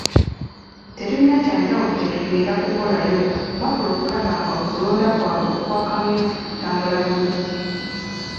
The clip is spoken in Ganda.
Tetulina kya njawulo kye tugenda kukolayo wabula okulaba ng'okulonda kwabwe okwa kamyufu kutambula bulungi.